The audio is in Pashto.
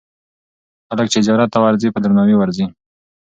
خلک چې زیارت ته ورځي، په درناوي ورځي.